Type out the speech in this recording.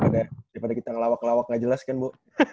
daripada kita ngelawak lawak gak jelas kan bu